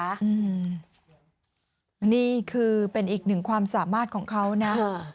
อันนี้คือเป็นอีกหนึ่งความสามารถของเขานะ